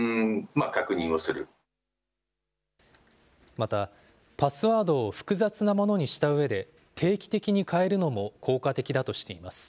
また、パスワードを複雑なものにしたうえで、定期的に変えるのも効果的だとしています。